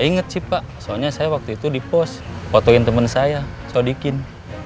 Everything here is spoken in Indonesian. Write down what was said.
ingat sih pak soalnya saya waktu itu di pos fotoin temen saya sodikin